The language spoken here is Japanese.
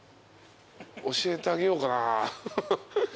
教えてあげようかな。